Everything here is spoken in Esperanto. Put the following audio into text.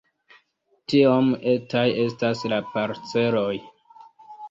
Tiom etaj estas la parceloj!